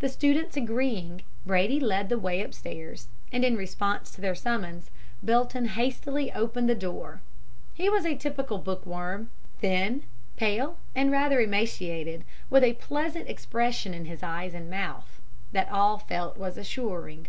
"The students agreeing, Brady led the way upstairs, and in response to their summons Belton hastily opened the door. He was a typical book worm thin, pale and rather emaciated, but with a pleasant expression in his eyes and mouth, that all felt was assuring.